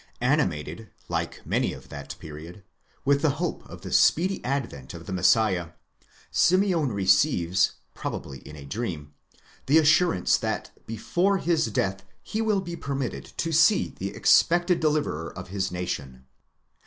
Animated, like many of that period, with the hope of the speedy advent of the Messiah, Simeon receives, probably in a dream, the assurance that before his death he will be permitted to see the expected deliverer of his nation.